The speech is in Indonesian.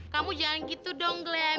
kamu jangan gitu dong glen